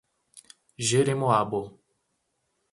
Jeremoabo